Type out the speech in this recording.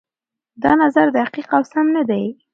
دا نظر دقيق او سم نه دی.